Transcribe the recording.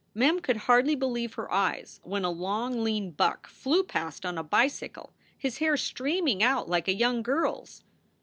Mem could hardly believe her eyes when a long, lean buck flew past on a bicycle, his hair streaming out like a young girl s.